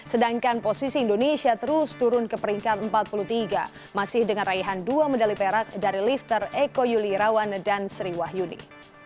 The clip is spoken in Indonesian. sedangkan posisi indonesia terus turun ke peringkat empat puluh tiga masih dengan raihan dua medali perak dari lifter eko yuli rawan dan sri wahyuni